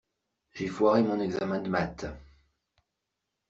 J'ai foiré mon examen de maths.